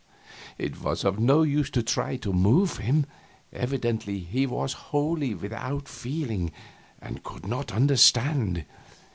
It was of no use to try to move him; evidently he was wholly without feelings, and could not understand.